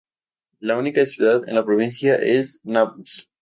La única ciudad en la provincia es Nablus.